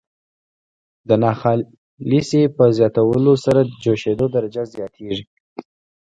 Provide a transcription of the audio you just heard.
د ناخالصې په زیاتولو سره جوشیدو درجه زیاتیږي.